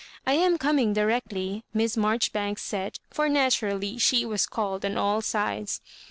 '*! am coming directly," Miss Marjoribai^s said — for naturally she was called on all sides.